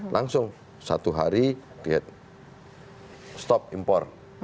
langsung satu hari dia stop impor